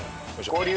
合流。